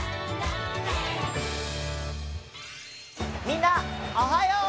みんなおはよう！